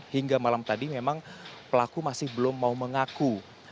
hingga malam tadi memang pelaku masih belum mau mengaku